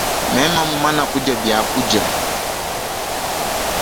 Mema mumana kudia bia kudia.